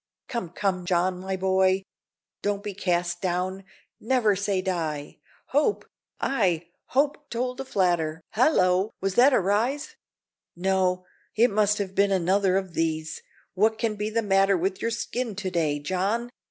"Come, come, John, my boy, don't be cast down! Never say die! Hope, ay, hope told a flatter Hallo! was that a rise? No, it must have been another of these what can be the matter with your skin to day, John?